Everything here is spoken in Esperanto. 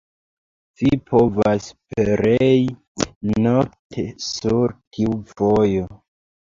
Vi povas perei nokte sur tiu vojo!